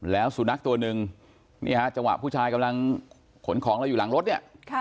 แล้วสุนัขตัวหนึ่งนี่ฮะจังหวะผู้ชายกำลังขนของเราอยู่หลังรถเนี่ย